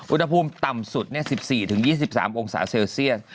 อุณหภูมิต่ำสุดเนี่ย๑๔ถึง๒๓องศาเซลเซียส